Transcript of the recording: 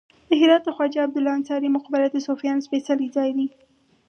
د هرات د خواجه عبدالله انصاري مقبره د صوفیانو سپیڅلی ځای دی